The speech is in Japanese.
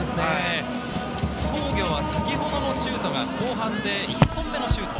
津工業は先ほどのシュートが後半で１本目のシュート。